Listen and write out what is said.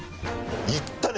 いったね。